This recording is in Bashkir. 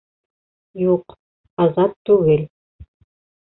Юҡ, Азат түгел